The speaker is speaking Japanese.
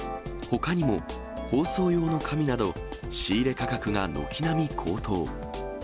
ほかにも包装用の紙など、仕入れ価格が軒並み高騰。